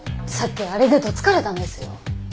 さっきあれでど突かれたんですよ。